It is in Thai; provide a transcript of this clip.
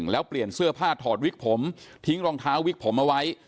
แล้วเปลี่ยนเสื้อผ้าถอดวิกผมทิ้งรองเท้าวิกผมเอาไว้